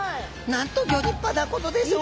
なんとギョ立派なことでしょう。